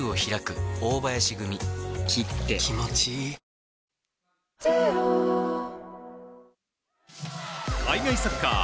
ＪＴ海外サッカー